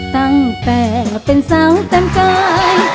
ตั้งแต่เป็นสาวเต็มใจ